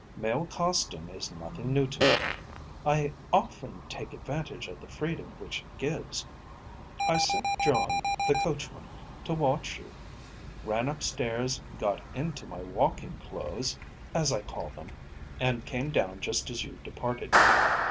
Male costume is nothing new to me. I often take advantage of the freedom which it gives. I sent John, the coachman, to watch you, ran upstairs, got into my walking clothes, as I call them, and came down just as you departed.